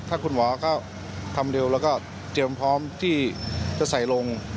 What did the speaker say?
ถ้าคุณหมอก็ทำเร็วแล้วก็เตรียมพร้อมที่จะใส่ลง